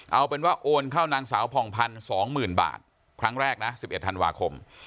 เอาเป็นว่าโอนเข้านางสาวผ่องพันธ์๒๐๐๐บาทครั้งแรกนะ๑๑ธันวาคม